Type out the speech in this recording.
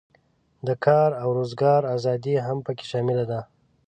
د کار او روزګار آزادي هم پکې شامله ده.